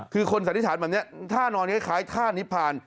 คือคนสันนิษฐานแบบนี้ท่านอนคล้ายท่านิพพาน